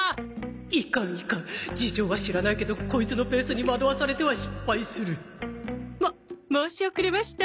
いかんいかん事情は知らないけどコイツのペースに惑わされては失敗する！も申し遅れました